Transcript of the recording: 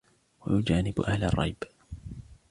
وَيُجَانِبَ أَهْلَ الرِّيَبِ